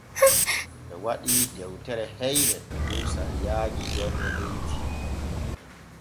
Ɓe waɗii dewtere heyre dow sariyaaji jonne leydi.